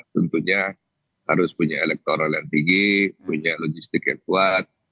tentunya harus punya elektoral yang tinggi punya logistik yang kuat